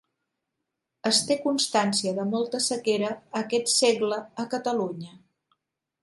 Es té constància de molta sequera a aquest segle a Catalunya.